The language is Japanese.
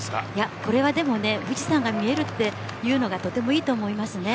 これは富士山が見えるというのが、とてもいいと思いますね。